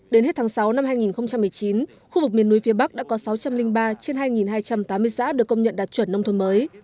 đến hết tháng sáu năm hai nghìn một mươi chín khu vực miền núi phía bắc đã có sáu trăm linh ba trên hai hai trăm tám mươi xã được công nhận đạt chuẩn nông thôn mới